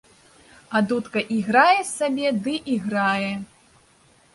А дудка іграе сабе ды іграе.